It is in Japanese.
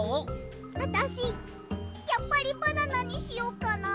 あたしやっぱりバナナにしよっかな。